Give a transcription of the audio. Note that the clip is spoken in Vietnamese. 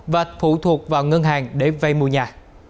và phụ thuộc vào ngân hàng để vay mua nhà